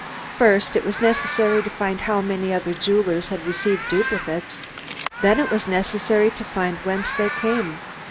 First it was necessary to find how many other jewelers had received duplicates; then it was necessary to find whence they came.